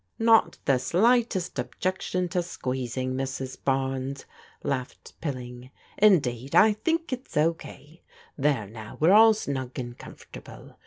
" Not the slightest objection to squeezing, Mrs. Barnes," laughed Pilling. " Indeed, I think it's O. K There now, we're all snug and comfortable.